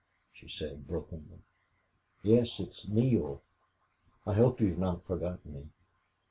she said, brokenly. "Yes, it's Neale. I hope you've not forgotten me."